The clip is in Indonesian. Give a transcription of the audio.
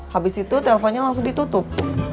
habis itu teleponnya langsung ditutup